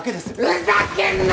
ふざけんな！